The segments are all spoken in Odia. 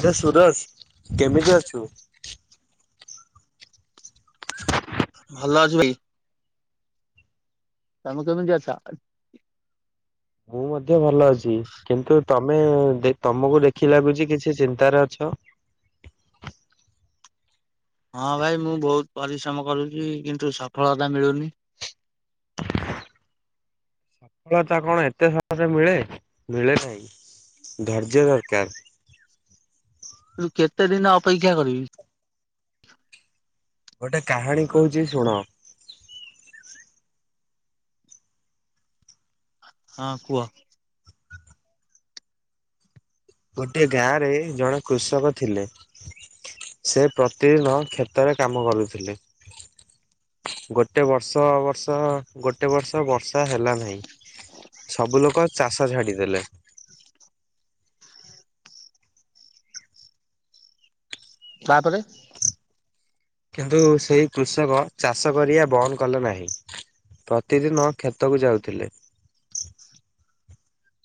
ଆରେ ସୁଦର୍ଶ କେମିତି ଅଛୁ? ଭଲ ଅଛି ଭାଇ। [unintelligible] ମୁଁ ମଧ୍ୟ ଭଲ ଅଛି କିନ୍ତୁ ତମେ ଦେ- ତମକୁ ଦେଖି ଲାଗୁଚି କିଛି ଚିନ୍ତାରେ ଅଛ। ହଁ ଭାଇ ମୁଁ ବହୁତ୍ ପରିଶ୍ରମ କରୁଚି କିନ୍ତୁ ସଫଳତା ମିଳୁନି। ସଫଳତା କଣ ଏତେ ସହଜରେ ମିଳେ- ମିଳେ ନାହିଁ ଧୈର୍ଯ୍ୟ ଦରକାର୍। ତୁ କେତେ ଦିନ ଅପେକ୍ଷା କରିବି। ଗୋଟେ କାହାଣୀ କହୁଚି ଶୁଣ। ହଁ କୁହ। ଗୋଟେ ଗାଁ ରେ ଜଣେ କୃଷକ ଥିଲେ ସେ ପ୍ରତିଦିନ କ୍ଷେତରେ କାମ କରୁଥିଲେ ଗୋଟେ ବର୍ଷ ବର୍ଷ ଗୋଟେ ବର୍ଷ ବର୍ଷା ହେଲା ନାହିଁ ସବୁ ଲୋକ ଚାଷ ଛାଡିଦେଲେ। ତାପରେ କିନ୍ତୁ ସେଇ କୃଷକ ଚାଷ କରିବା ବନ୍ଦ କଲେ ନାହିଁ। ପ୍ରତିଦିନ କ୍ଷେତକୁ ଯାଉଥିଲେ।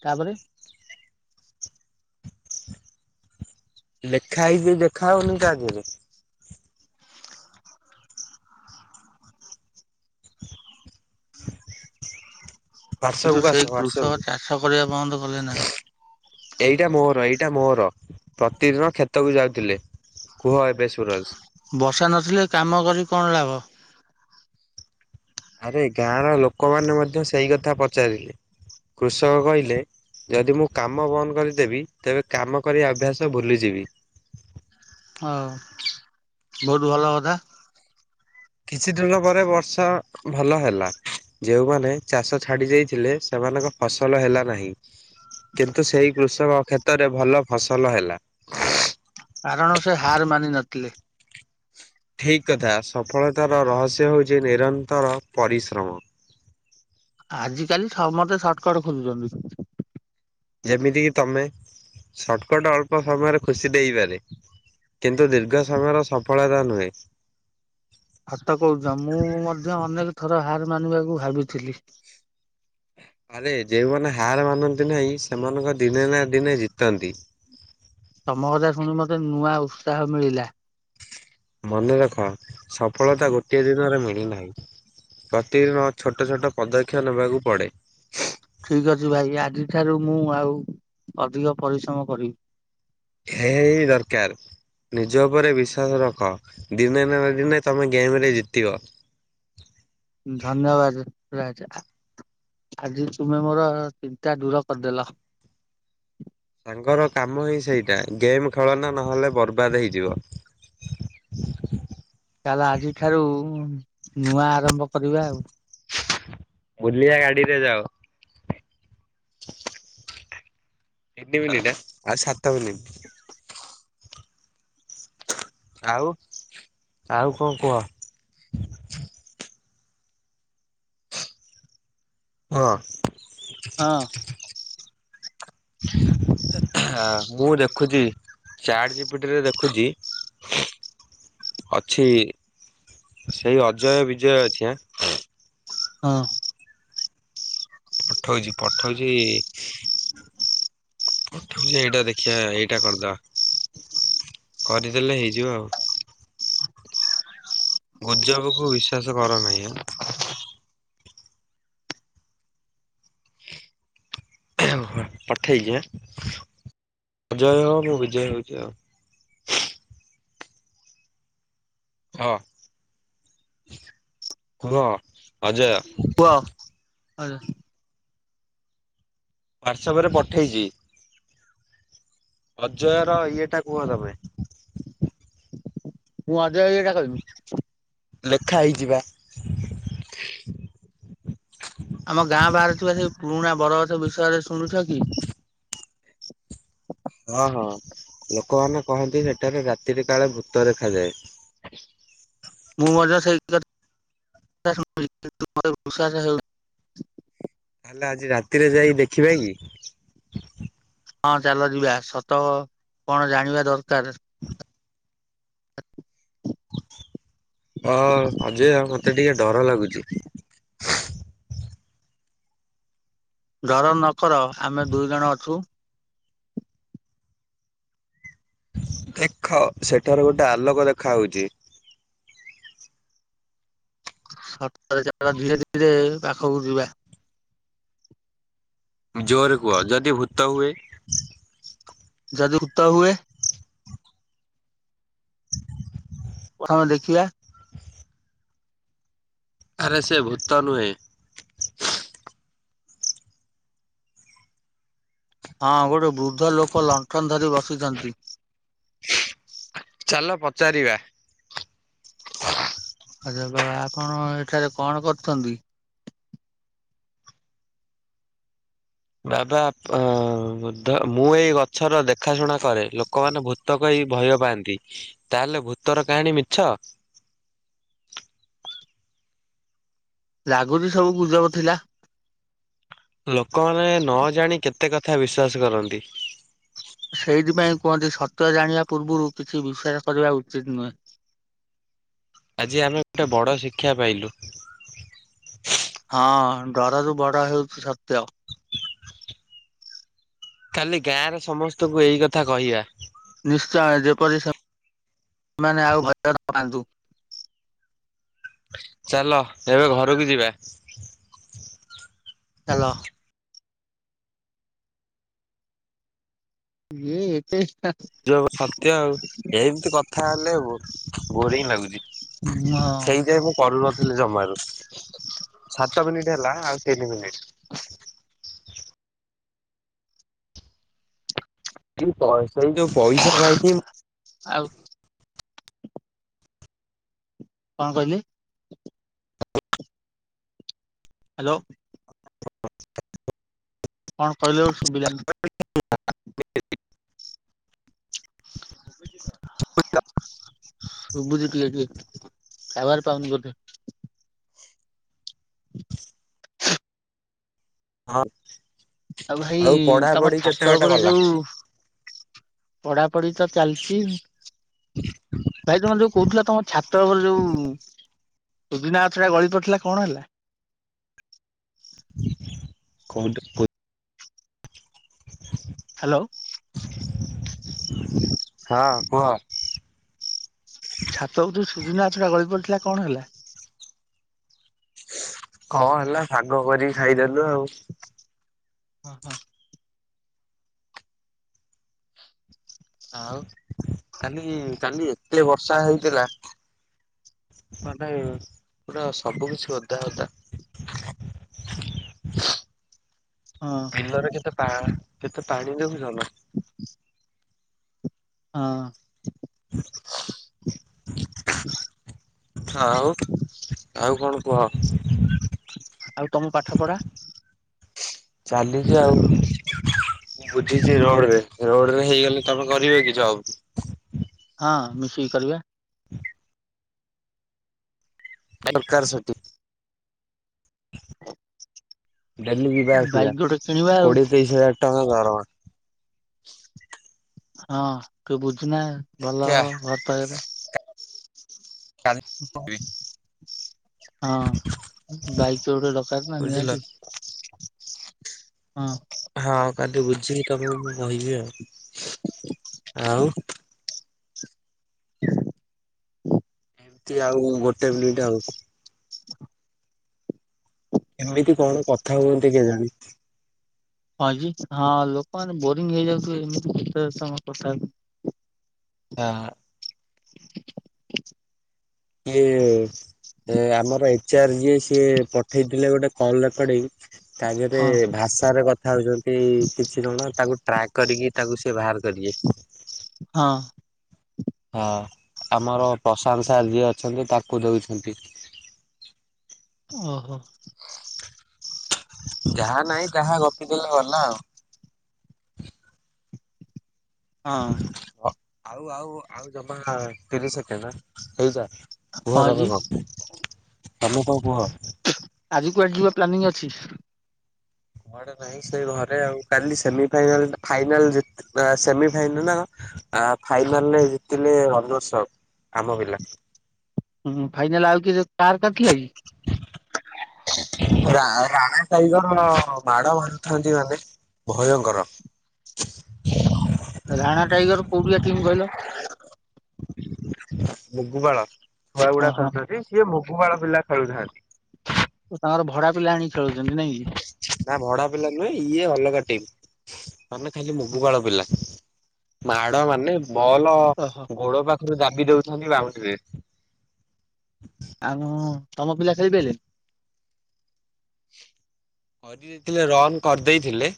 ତାପରେ ଲେଖା ହେଇଛିି ଦେଖା ହଉନି କାକୁବି [inaudible] କିନ୍ତୁ କୁ ଆସ ସେଇ ହ୍ୱାଟ୍ସଆପ୍ କୃଷକ କୁ ଚାଷ କରିବା ବନ୍ଦ କଲେ ନାହିଁ ଏଇଟା ମୋର ଏଇଟା ମୋର ପ୍ରତିଦିନ କ୍ଷେତକୁ ଯାଉଥିଲେ କୁହ ଏବେ ସୁରଜ। ବର୍ଷା ନଥିଲେ କାମ କରି କଣ ଲାଭ? ଆରେ ଗାଁ ର ଲୋକମାନେ ମଧ୍ୟ ସେଇ କଥା ପଚାରିଲେ କୃଷକ କହିଲେ ଯଦି ମୁଁ କାମ ବନ୍ଦ କରିଦେବି ତେବେ କାମ କରିବା ଅଭ୍ୟାସ ଭୁଲିଯିବି। ହଉ ବହୁତ୍ ଭଲ କଥା କିଛି ଦିନ ପରେ ବର୍ଷା ଭଲ ହେଲା। ଯେଉଁମାନେ ଚାଷ ଛାଡି ଯାଇଥିଲେ ସେମାନଙ୍କ ଫସଲ ହେଲା ନାହିଁ କିନ୍ତୁ ସେଇ କୃଷକ କ୍ଷେତରେ ଭଲ ଫସଲ ହେଲା। କାରଣ ସେ ହାର୍ ମାନି ନଥିଲେ। ଠିକ୍ କଥା ସଫଳତାର ରହସ୍ୟ ହେଉଛି ନିରନ୍ତର ପରିଶ୍ରମ ଆଜି କାଲି ସମସ୍ତେ ସର୍ଟକଟ ଖୋଜୁଛନ୍ତି ଯେମିତି କିି ତମେ ସଟର୍କଟ ଅଳ୍ପ ସମୟରେ ଖୁସି ଦେଇପାରେ କିନ୍ତୁ ଦୀର୍ଘ ସମୟର ସଫଳତା ନୁହେଁ ସତ କହୁଛ ମୁଁ ମଧ୍ୟ ଅନେକ ଥର ହାର୍ ମାନିବାକୁ ଭାବିଥିଲି ଆରେ ଯେଉମାନେ ହାର୍ ମାନନ୍ତି ନାହିଁ ସେମାନଙ୍କ ଦିନେ ନା ଦିନେ ଜିତନ୍ତି ତମ କଥା ଶୁଣି ମତେ ନୂଆ ଉତ୍ସାହ ମିଳିଲା। ମନେ ରଖ ସଫଳତା ଗୋଟିଏ ଦିନରେ ମିଳିନାହିଁ। ପ୍ରତିଦିନ ଛୋଟ ଛୋଟ ପଦକ୍ଷେପ ନେବାକୁ ପଡ଼େ। ଠିକ୍ ଅଛି ଭାଇ ଆଜି ଠାରୁ ମୁଁ ଆଉ ଅଧିକ ପରିଶ୍ରମ କରିବି। ହେଇ ଦରକାର୍ ନିଜ ଉପରେ ବିଶ୍ଵାସ ରଖ ଦିନେ ନା ନ ଦିନେ ତମେ ଗେମ୍ ରେ ଜିତିବ ଧନ୍ୟବାଦ୍ ରାଜା ଆଜି ତୁମେ ମୋର ଚିନ୍ତା ଦୂର କରିଦେଲ। ସାଙ୍ଗର କାମ ହିଁ ସେଇଟା ଗେମ୍ ଖେଳ ନା ନହେଲେ ବର୍ବାଦ ହେଇଯିବ। ତାହେଲେ ଆଜିଠାରୁ ନୂଆ ଆରମ୍ଭ କରିବା ଆଉ ବୁଲିବା ଗାଡିରେ ଯାଅ ତିନି ମିନିଟ୍ ଏଇଟ ଆଉ ସାତ ମିନିଟ୍ ଆଉ ଆଉ କଣ କୁହ ହଁ ହଁ ମୁଁ ଦେଖୁଛି ଚାଟ୍ ଜିପିଟରେ ଦେଖୁଛି ଅଛି ସେଇ ଅଜୟ ବିଜୟ ଅଛି ଆଁ ହଁ ପଠଉଛି ପଠଉଛି ପଠଉଛି ଏଇଟା ଦେଖିବା ଏଇଟା କରିଦବା କରିଦେଲେ ହେଇଯିବ ଆଉ ଗୁଜବକୁ ବିଶ୍ୱାସ କର ନାହିଁ ଆ ପଠେଇଛିି ହାଁ, ତୁ ଅଜୟ ହ ମୁଁ ବିଜୟ ହେଉଛି ଆଉ। ହଁ କୁହ ଅଜୟ। କୁହ ଆ ହ୍ୱାଟ୍ସଆପ୍ ରେ ପଠେଇଛି। ଅଜୟ ର ଇଏ ଟା କୁହ ତମେ। ମୁଁ ଅଜୟ ଇଏଟା କହିବି। ଲେଖା ହେଇଯିବା। ଆମ ଗାଁ ବାହାରେ ଥିବା ସେଇ ପୁରୁଣା ବରଗଛ ବିଷୟରେ ଶୁଣୁଛ କି। ହଁ ହଁ ଲୋକମାନେ କହନ୍ତି ସେଠାରେ ରାତିରେ କାଳେ ଭୂତ ଦେଖାଯାଏ। ମୁଁ ମଧ୍ୟ ସେଇ [unintelligible] ବିଶ୍ଵାସ ହେଉନି। ହେଲେ ଆଜି ରାତିରେ ଯାଇ ଦେଖିବା କି? ହଁ ଚାଲ ଯିବା ସତ କଣ ଜାଣିବା ଦରକାର। ହଁ ଅ ହ ଅଜୟ ମତେ ଟିକେ ଡର ଲାଗୁଛି। ଡର ନ କର ଆମେ ଦୁଇ ଜଣ ଅଛୁ। ଦେଖ ସେଠାରେ ଗୋଟେ ଆଲୋକ ଦେଖା ହଉଛି। ସତ ଚାଲ ଧୀରେ ଧୀରେ ପାଖକୁ ଯିବା। ଜୋର କୁହ ଯଦି ଭୂତ ହୁଏ। ଯଦି ଭୂତ ହୁଏ। ତା ମେ ଦେଖିବା ଆରେ ସେ ଭୂତ ନୁହେଁ। ହଁ ଗୋଟେ ବୃଦ୍ଧ ଲୋକ ଲଣ୍ଟନ ଧରି ବସିଛନ୍ତି। ଚାଲ ପଚାରିବା ଆଛା ବାବା ଆପଣ ଏଠାରେ କଣ କରୁଛନ୍ତି? ବାବା ମୁଁ ଏଇ ଗଛର ଦେଖା ଶୁଣା କରେ ଲୋକମାନେ ଭୂ ତ କହି ଭୟ ପାଆନ୍ତି ତାହେଲେ ଭୂତର କାହାଣୀ ମିଛ। ଲାଗୁଛି ସବୁ ଗୁଜବ ଥିଲା। ଲୋକମାନେ ନ ଜାଣି କେତେ କଥା ବିଶ୍ଵାସ କରନ୍ତି। ସେଇଥିପାଇଁ କୁହନ୍ତି ସତ ଜାଣିବା ପୂର୍ବରୁ କିଛି ବିଶ୍ୱାସ କରିବା ଉଚିତ ନୁହେଁ। ଆଜି ଆମେ ଗୋଟେ ବଡ ଶିକ୍ଷା ପାଇଲୁ। ହଁ ଡର ରୁ ବଡ ହଉଛି ସତ୍ୟ। କାଲି ଗାଁରେ ସମସ୍ତଙ୍କୁ ଏଇ କଥା କହିବା। ନିଶ୍ଚୟ ଯେପରି ସେ ସେମାନେ ଆଉ ଭୟ ନ ପାଆନ୍ତୁ। ଚାଲ ଏବେ ଘରକୁ ଯିବା। ଚାଲ। [unintelligible] ଯ ସତ୍ୟ ଆଉ ଏମିତି କଥା ହେଲେ ବୋ ବୋରିଂ ଲାଗୁଛି। ହୁଁ ହଁ। ସେଇଥି ପାଇଁ ମୁଁ କରୁନଥିଲି ଜମାରୁ ସାତ ମିନିଟ ହେଲା ଆଉ ତିନି ମିନିଟ। ଏଇ ସେଇ ଯୋଉ ପଇସା ପାଇଁକି ଆଉ କଣ କହିଲି? ହ୍ୟାଲୋ। [unintelligible] କଣ କହିଲ ସୁବିିଲାନି। [inaudible] [unintelligible] [unintelligible] ଶୁଭୁଛି ଟିକେ ଟିକେ ଟାୱାର ପାଉନି ବୋଧେ। [unintelligible] ହଉ ଆଉ ଭାଇ ତମ ଛାତ ବାଟ ଉପରେ ଗଲା? ଯୋଉ ପଢାପଢି ତ ଚାଲିଚି। ଭାଇ ତମେ ଯୋଉ କହୁଥିଲ ତମ ଛାତ ଉପରେ ଯୋଉ ସୂଜୁନା ଗଛଟା ଗଳି ପଡିଥିଲା କଣ ହେଲା? [unintelligible] ହ୍ୟାଲୋ। ହଁ କୁହ। ଛାତକୁ ଯୋଉ ସୁଜୁନା ଗଛଟା ଗଳି ପଡିଥିଲା କଣ ହେଲା? କଣ ହେଲା ଶାଗ କରିକି ଖାଇଦେଲୁ ଆଉ। ହଁ ହଁ। ଆଉ କାଲି କାଲି ଏତେ ବର୍ଷା ହେଇଥିଲା। ମାନେ ପୁରା ସବୁ କିଛି ଓଦା ଓଦା। ହଁ ବିଲରେ କେତେ ପା କେତେ ପାଣି ଦେଖୁଚ ନା। [unintelligible] ହଁ। [unintelligible] ହଉ ଆଉ କଣ କୁହ? ଆଉ ତମ ପାଠ ପଢା ଚାଲିଚି ଆଉ। ମୁଁ ବୁଝିଛି ରୋଡରେ ରୋଡରେ ହେଇଗଲେ ତମେ କରିବ କି ଜବ? ହଁ ମିଶିକି କରିବା। [unintelligible] [unintelligible] ଡେଲି ଯିବା ଆସିବା ବାଇକ୍ ଗୋଟେ କିଣିବା ଆଉ କୋଡିଏ ତେଇଶ ହଜାର ଟଙ୍କା ଦରମା। ହଁ। ତୁ ବୁଝୁନା ଭଲ ଦେଖିଆ ହବ ଘ କାଲି [unintelligible] ହଁ ବାଇକ୍ ଗୋଟେ ଦରକାର ନା ବୁଝିଲ ନିହାତି। ହଁ। ହଁ କାଲି ବୁଝିକି ତମକୁ ମୁଁ କହିବି ଆଉ। ଆଉ [unintelligible] ଏମତି ଆଉ ଗୋଟେ ମିନିଟ୍ ଆଉ। କେମିତି କଣ କଥା ହୁଅନ୍ତି କେଜାଣି? ହଁ କି ହଁ ଲୋକମାନେ ବୋରିଂ ହେଇଯାଉଥିବ ଏମିତି କେତେ ସମୟ କଥା ହେଇ ଆଁ। ସିଏ ଏ ଆମର ଏଚାର୍ ଯିଏ ସିଏ ପଠେଇଥିଲେ ଗୋଟେ କଲ ରେକଡିଂ। ତା ଦେହରେ ହଁ ଭାଷାରେ କଥା ହଉଛନ୍ତି କିଛି ଜଣ ତାଙ୍କୁ ଟ୍ରାକ୍ କରିକି ତାକୁ ସେ ବାହାର କରିବେ। ହଁ। ହଁ। ଆମର ପ୍ରଶାନ୍ତ ସାର୍ ଯିଏ ଅଛନ୍ତି ତାଙ୍କୁ ଦଉଛନ୍ତି। ଓହୋ। ଯାହା ନାଇଁ ତାହା ଗପି ଦେଲେ ଗଲା ଆଉ। ହଁ। ଅ ଆଉ ଆଉ ଆଉ ଜମା ତିରିଶ ସେକେଣ୍ଡ ଆଁ ହେଇଯା କୁହ ହଁ ତମେ କି କଣ ତମେ କଣ କୁହ। ଆଜି କୁଆଡେ ଯିବ ପ୍ଲାନିଂ ଅଛି? କୁଆଡେ ନାହିଁ ସେଇ ଘରେ ଆଉ। କାଲି ସେମି ଫାଇନାଲଟା ଫାଇନାଲ ଜି ସେମି ଫାଇନାଲ ନା ଆ ଫାଇନାଲରେ ଜିତିଲେ ରନର୍ସ ଅପ ଆମ ପିଲା। ହୁଁ ଫାଇନାଲ ଆଉ କିଏ ଯ କାହାର କାହାର ଥିଲା କି? ରା ରାଣା ସାହି ତ ମାଡ ମାରୁଥାନ୍ତି ମାନେ ଭୟଙ୍କର। ରାଣା ଟାଇଗର କୋଉଠିକା ଟିମ୍ କହିଲ? ମୁଗୁପାଳ ଛୁଆ ଗୁଡା ଓହୋ ଖେଳୁଛନ୍ତି ସିଏ ମୁଗୁପାଳ ପିଲା ଖେଳୁଥାନ୍ତି। ତ ତାଙ୍କର ଭଡା ପିଲା ଆଣିକି ଖେଳଉଛନ୍ତି ନାଇଁକି। ନା ଭଡା ପିଲା ନୁହେଁ ଇଏ ଅଲଗା ଟିମ୍। ମାନେ ଖାଲି ମୁଗୁପାଳ ପିଲା ମାଡ ମାନେ ବଲ ଓହୋ ଗୋଡ ପାଖ ପାଖରୁ ଦାବି ଦଉଛନ୍ତି ବାଉଣ୍ଡ୍ରିରେ। ଆଉ ତମ ପିଲା ଖେଳି ପାରିଲେନି? କରି ଦେଇଥିଲେ ରନ୍ କରିଦେଇଥିଲେ।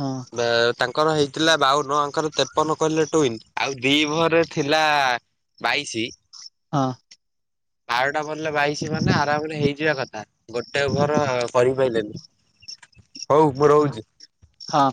ହଁ। ବା ତାଙ୍କର ହେଇଥିଲା ବାଉନ ଆଙ୍କର ତେପନ କଲେ ଟୁଇନି। ଆଉ ଦି ଓଭରରେ ଥିଲା ବାଇଶି। ହଁ। ବାରଟା ବଲରେ ବାଇଶି ମାନେ ଆରାମରେ ହେଇଯିବା କଥା। ଗୋଟେ ଓଭର କରିପାଇଲେନି ହଉ ମୁଁ ରହୁଛି। ହଁ।